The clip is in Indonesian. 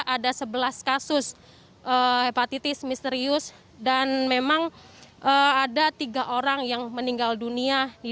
ada sebelas kasus hepatitis misterius dan memang ada tiga orang yang meninggal dunia